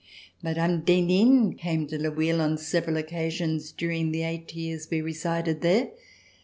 Mme. d'Henin came to Le Bouilh on several oc casions during the eight years we resided there.